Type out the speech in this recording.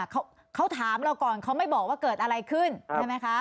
เขาถามเราก่อนเขาไม่บอกว่าเกิดอะไรขึ้นใช่ไหมคะ